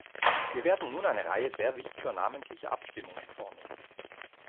Wir werden nun eine Reihe sehr wichtiger namentlicher Abstimmungen vornehmen.